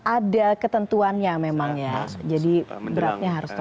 ada ketentuannya memang ya jadi beratnya harus total